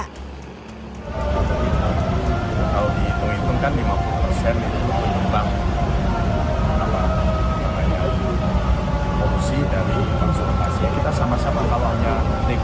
kalau dihitung hitungkan lima puluh persen itu menyebabkan polusi dari konsumsi